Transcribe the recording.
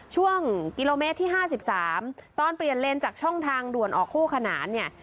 ช่วงกิโลเมตรที่๕๓ตอนเปลี่ยนเลนจากช่องทางด่วนออกคู่ขนานเนี่ย